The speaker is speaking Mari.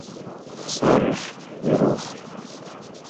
— Сарыш, Веруш.